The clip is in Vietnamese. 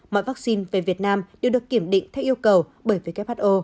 mọi vaccine về việt nam đều được kiểm định theo yêu cầu bởi who